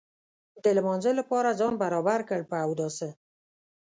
د لمانځه لپاره ځان برابر کړ په اوداسه.